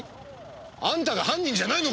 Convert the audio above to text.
あんたが犯人じゃないのか！